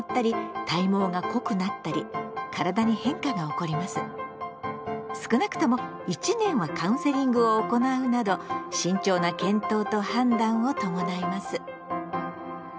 そして女性の場合少なくとも１年はカウンセリングを行うなど慎重な検討と判断を伴います。